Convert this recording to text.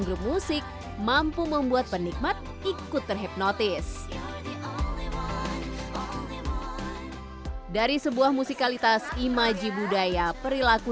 grup musik mampu membuat penikmat ikut terhipnotis dari sebuah musikalitas imaji budaya perilaku